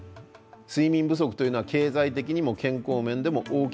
睡眠不足というのは経済的にも健康面でも大きな損失です。